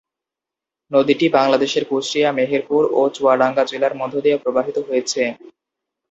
নদীটি বাংলাদেশের কুষ্টিয়া, মেহেরপুর ও চুয়াডাঙ্গা জেলার মধ্য দিয়ে প্রবাহিত হয়েছে।